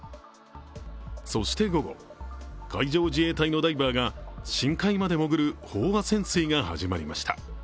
そして午後、海上自衛隊のダイバーが深海まで潜る飽和潜水が始まりました。